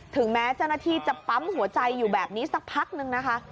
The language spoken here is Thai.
ถึงแม้เจ้าหน้าที่จะปั๊มหัวใจอยู่แบบนี้สักพักนึงนะคะ